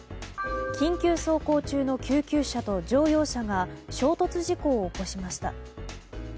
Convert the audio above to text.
緊急走行中の救急車と乗用車が衝突事故を起こしました。